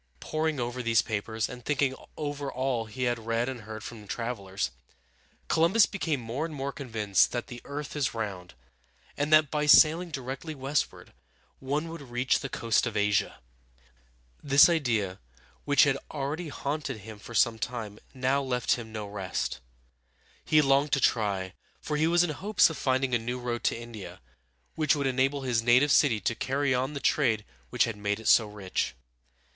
Poring over these papers, and thinking over all he had read and heard from travelers, Columbus became more and more convinced that the earth is round, and that by sailing directly westward one would reach the coast of Asia. This idea, which had already haunted him for some time, now left him no rest He longed to try, for he was in hopes of finding a new road to India, which would enable his native city to carry on the trade which had made it so rich.